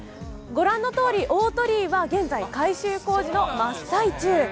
ご覧のとおり、大鳥居は現在、改修工事の真っ最中。